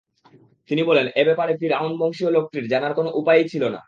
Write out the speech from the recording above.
তিনি বলেন, এ ব্যাপারে ফিরআউন বংশীয় লোকটির জানার কোন উপায়ই ছিল না।